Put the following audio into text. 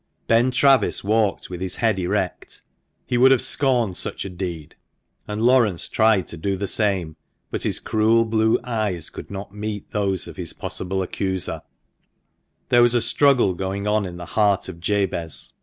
Ben Travis walked with head erect — he would have scorned such a deed — and Laurence tried to do the same, but his cruel blue eyes could not meet those of his possible accuser, There was a struggle going on in the heart of Jabez.